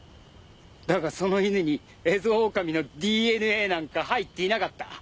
だがその犬にエゾオオカミのＤＮＡなんか入っていなかった。